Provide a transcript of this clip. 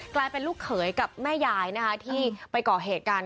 กลายเป็นลูกเขยกับแม่ยายนะคะที่ไปก่อเหตุกัน